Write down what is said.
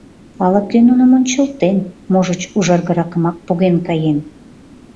Ала-кӧ нуным ончылтен, можыч, ужаргыракымак поген каен.